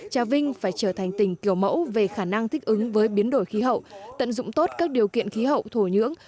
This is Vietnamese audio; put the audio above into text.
trà vinh phải trở thành tỉnh kiểu mẫu về khả năng thích ứng với biến đổi khí hậu tận dụng tốt các điều kiện khí hậu thổ nhưỡng